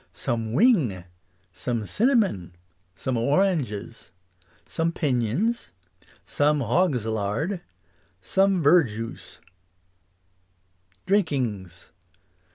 Some wing Some cinnamon Some oranges Some pinions Some hog'slard Some verjuice Drinkings.